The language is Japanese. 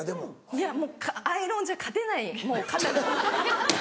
いやもうアイロンじゃ勝てない肩。